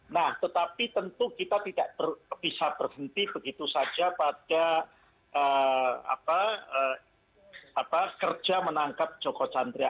nah tetapi tentu kita tidak bisa berhenti begitu saja pada kerja menangkap joko chandra